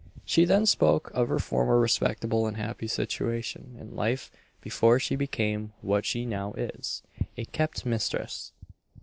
She then spoke of her former respectable and happy situation in life before she became what she now is a kept mistress.